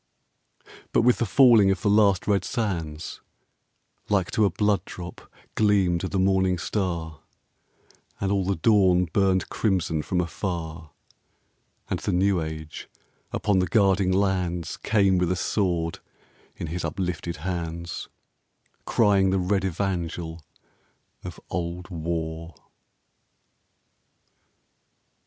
But with the falling of the last red sands, Like to a blood drop gleamed the morning star; And all the dawn burned crimson from afar; And the new age upon the guarding lands Came with a sword in his uplifted hands, Crying the red evangel of old War.